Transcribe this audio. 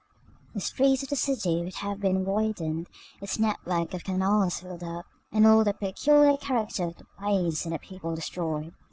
The streets of the city would have been widened, its network of canals filled up, and all the peculiar character of the place and the people destroyed.